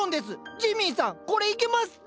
ジミーさんこれいけますって。